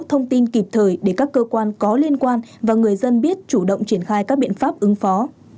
thông tin kịp thời để các cơ quan có liên quan và người dân biết chủ động triển khai các biện pháp ứng phó